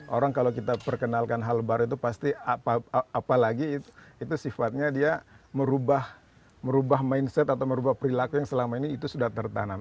orang kalau kita perkenalkan hal baru itu pasti apalagi itu sifatnya dia merubah mindset atau merubah perilaku yang selama ini itu sudah tertanam